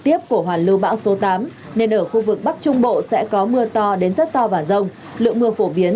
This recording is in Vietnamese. tiếp của hoàn lưu bão số tám nên ở khu vực bắc trung bộ sẽ có mưa to đến rất to và rông lượng mưa phổ biến